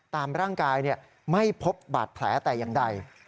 ตามร่างกายไม่พบบาดแผลแต่อย่างใด